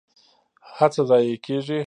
هڅه ضایع کیږي؟